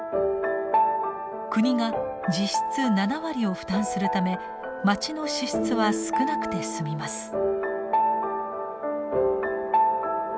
国が実質７割を負担するため町の支出は少なくて済みます。